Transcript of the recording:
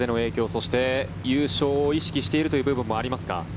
そして、優勝を意識しているという部分もありますか？